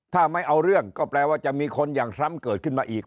ถ้าไม่เอาเรื่องก็แปลว่าจะมีคนอย่างทรัมป์เกิดขึ้นมาอีก